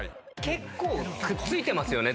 結構くっついてますよね？